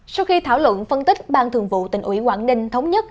sau khi thảo luận phân tích ban thường vụ tỉnh ủy quảng ninh thống nhất